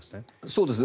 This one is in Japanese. そうです。